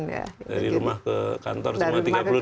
dari rumah ke kantor cuma tiga puluh detik